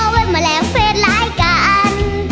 ว่ามาแล้วเฟสลายกัน